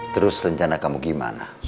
terus rencana kamu gimana